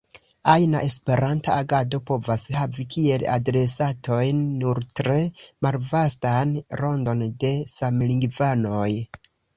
Ajna Esperanta agado povas havi kiel adresatojn nur tre malvastan rondon de samlingvanoj.